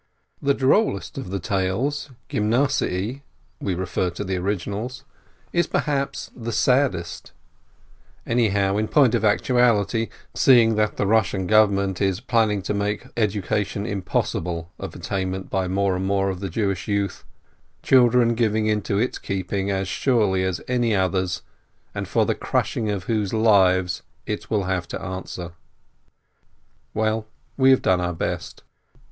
The drollest of the tales, "Gymnasiye" (we refer to the originals), is perhaps the saddest, anyhow in point of actuality, seeing that the Eussian Government is plan ning to make education impossible of attainment by more and more of the Jewish youth — children given into its keeping as surely as any others, and for the crushing of whose lives it will have to answer. Well, we have done our best.